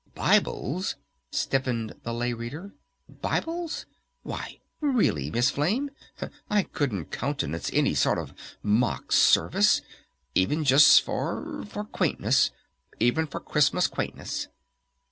"Bibles?" stiffened the Lay Reader. "Bibles? Why, really, Miss Flame, I couldn't countenance any sort of mock service! Even just for for quaintness, even for Christmas quaintness!"